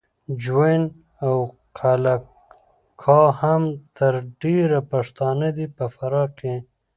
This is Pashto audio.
جوین او قلعه کا هم تر ډېره پښتانه دي په فراه کې